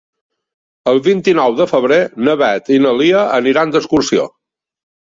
El vint-i-nou de febrer na Beth i na Lia aniran d'excursió.